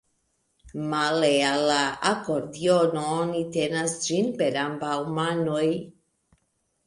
Male al la akordiono oni tenas ĝin per ambaŭ manoj.